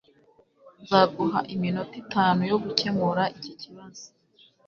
nzaguha iminota itanu yo gukemura iki kibazo